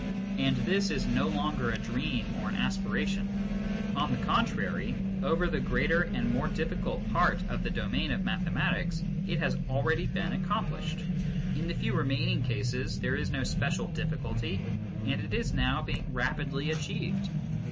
And this is no longer a dream or an aspiration. On the contrary, over the greater and more difficult part of the domain of mathematics, it has been already accomplished ; in the few remaining cases, there is no special difficulty, and it is now being rapidly achieved.